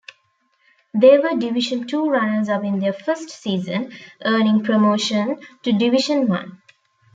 They were Division Two runners-up in their first season, earning promotion to Division One.